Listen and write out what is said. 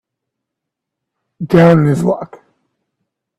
Down on his luck